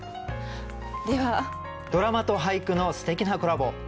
ドラマと俳句のすてきなコラボ